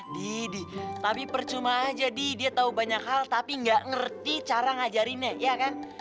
didi tapi percuma aja di dia tahu banyak hal tapi nggak ngerti cara ngajarinnya ya kan